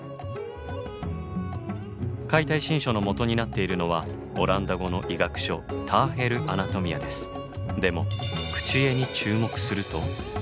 「解体新書」の元になっているのはオランダ語の医学書でも口絵に注目すると。